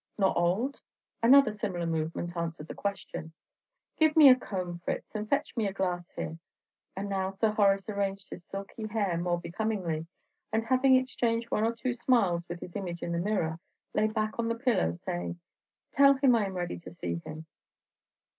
"Nor old?" Another similar movement answered the question. "Give me a comb, Fritz, and fetch the glass here." And now Sir Horace arranged his silky hair more becomingly, and having exchanged one or two smiles with his image in the mirror, lay back on the pillow, saying, "Tell him I am ready to see him."